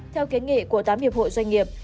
theo kiến nghị của tám hiệp hội doanh nghiệp